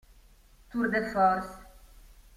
Tour de Force